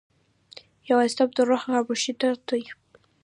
یوازیتوب د روح خاموش درد دی.